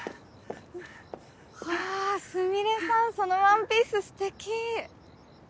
わぁスミレさんそのワンピースすてき！